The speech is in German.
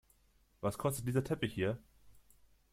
Was kostet dieser Teppich hier?